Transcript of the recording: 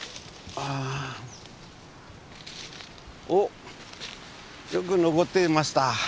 おっよく残っていました。